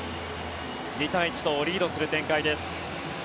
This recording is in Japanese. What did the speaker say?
２対１とリードする展開です。